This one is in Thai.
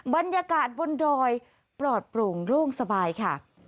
บรรยากาศบนดอยปลอดโปร่งโล่งสบายค่ะ